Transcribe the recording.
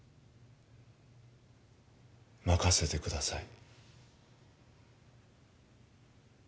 任せてください